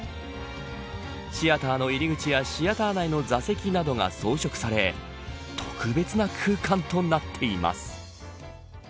シアターの入り口やシアター内の座席などが装飾され特別な空間となっています。